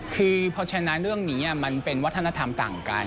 คือพอชนะเรื่องนี้มันเป็นวัฒนธรรมต่างกัน